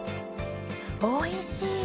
おいしい！